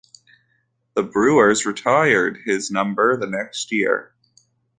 The Brewers retired his number the next year.